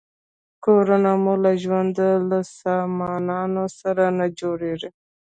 کورونه مو له ژوند له سامانونو سره نه جوړیږي.